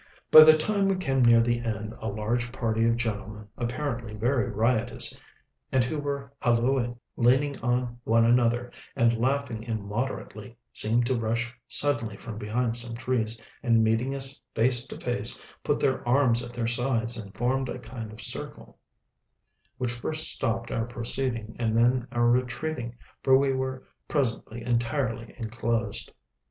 By the time we came near the end, a large party of gentlemen, apparently very riotous, and who were hallooing, leaning on one another, and laughing immoderately, seemed to rush suddenly from behind some trees, and meeting us face to face, put their arms at their sides and formed a kind of circle, which first stopped our proceeding and then our retreating, for we were presently entirely enclosed.